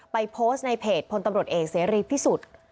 โพสต์ในเพจพลตำรวจเอกเสรีพิสุทธิ์